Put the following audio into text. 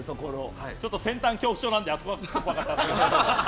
ちょっと先端恐怖症なのであそこ怖かったですけど。